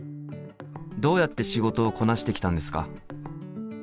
どうやって仕事をこなしてきたんですか？